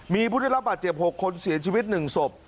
มีผู้ได้รับบาดเจ็บ๖คนเสียชีวิต๑ศพ